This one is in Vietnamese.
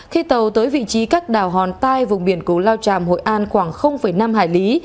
khi tàu tới vị trí các đảo hòn tai vùng biển củ lao tràm hội an khoảng năm hải lý